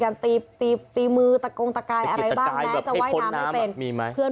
การตีมือตะกงตะกายอะไรบ้างจะไว้น้ำไม่เป็นมีไหมเพื่อน